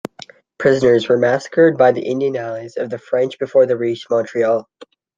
Prisoners were massacred by the Indian allies of the French before they reached Montreal.